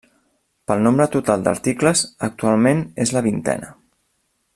Pel nombre total d'articles, actualment és la vintena.